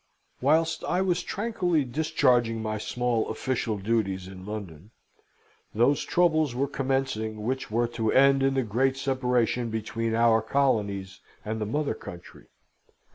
Whilst I was tranquilly discharging my small official duties in London, those troubles were commencing which were to end in the great separation between our colonies and the mother country.